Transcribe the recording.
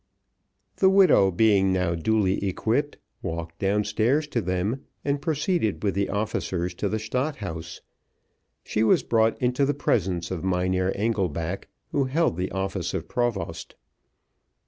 The widow being now duly equipped, walked down stairs to them, and proceeded with the officers to the Stadt House. She was brought into the presence of Mynheer Engelback, who held the office of provost.